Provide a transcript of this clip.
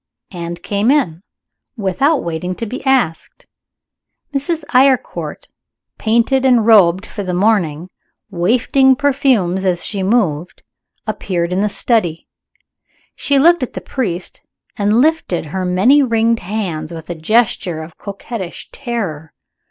and came in, without waiting to be asked. Mrs. Eyrecourt, painted and robed for the morning wafting perfumes as she moved appeared in the study. She looked at the priest, and lifted her many ringed hands with a gesture of coquettish terror.